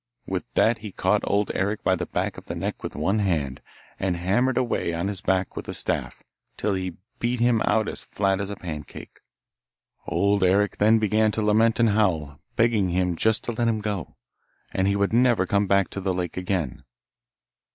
With that he caught Old Eric by the back of the neck with one hand, and hammered away on his back with the staff, till he beat him out as flat as a pancake. Old Eric then began to lament and howl, begging him just to let him go, and he would never come back to the lake again.